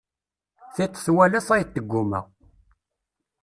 Tiṭ twala tayeḍ teggumma.